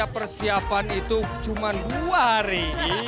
persiapan itu cuma dua hari